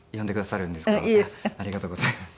ありがとうございます。